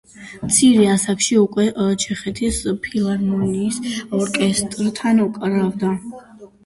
მცირე ასაკში უკვე ჩეხეთის ფილარმონიის ორკესტრთან უკრავდა.